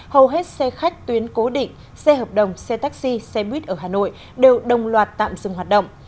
hầu hết xe khách tuyến cố định xe hợp đồng xe taxi xe buýt ở hà nội đều đồng loạt tạm dừng hoạt động